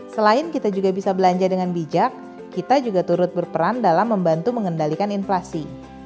selain kita juga bisa belanja dengan bijak kita juga turut berperan dalam membantu mengendalikan inflasi